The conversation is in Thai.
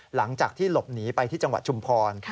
หลังจากที่หลบหนีไปที่จังหวัดชุมพร